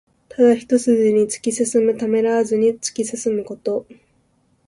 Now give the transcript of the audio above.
ただ一すじに突き進む。ためらわずに突き進むこと。